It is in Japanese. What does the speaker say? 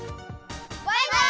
バイバイ！